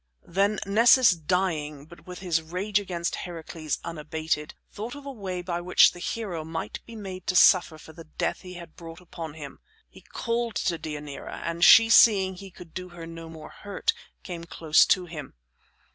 Then Nessus, dying, but with his rage against Heracles unabated, thought of a way by which the hero might be made to suffer for the death he had brought upon him. He called to Deianira, and she, seeing he could do her no more hurt, came close to him.